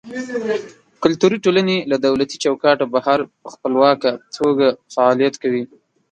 کلتوري ټولنې له دولتي چوکاټه بهر په خپلواکه توګه فعالیت کوي.